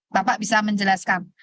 bapak bisa menjelaskan